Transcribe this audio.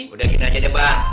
udah gini aja deh bang